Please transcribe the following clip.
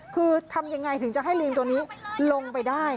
คือทำยังไงถึงจะให้ลิงตัวนี้ลงไปได้